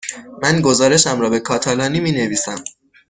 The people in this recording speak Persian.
من گزارشم را به کاتالانی می نویسم.